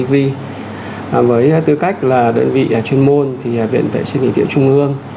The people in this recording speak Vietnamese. với tư cách là đơn vị chuyên môn thì viện vệ sinh dịch tễ trung ương